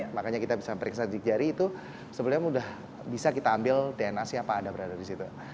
makanya kita bisa periksa jari jari itu sebenarnya mudah bisa kita ambil dna siapa ada berada disitu